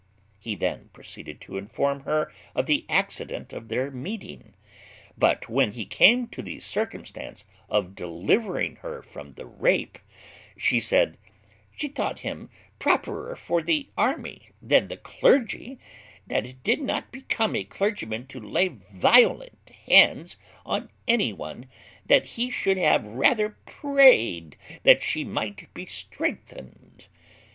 He then proceeded to inform her of the accident of their meeting; but when he came to mention the circumstance of delivering her from the rape, she said, "She thought him properer for the army than the clergy; that it did not become a clergyman to lay violent hands on any one; that he should have rather prayed that she might be strengthened."